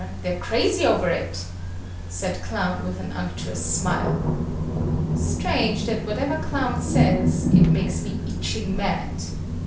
They're crazy over it," said Clown with an unctuous smile. Strange that whatever Clown says, it makes me itching mad.